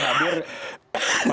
jelas pers akan hadir